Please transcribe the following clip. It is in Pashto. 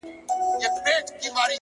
• ليلا مجنون؛